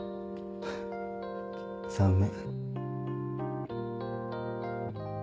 残念。